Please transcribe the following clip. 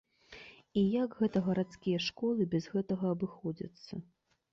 І як гэта гарадскія школы без гэтага абыходзяцца?